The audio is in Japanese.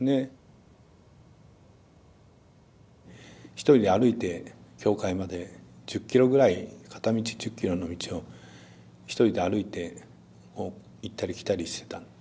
一人で歩いて教会まで１０キロぐらい片道１０キロの道を一人で歩いて行ったり来たりしてた。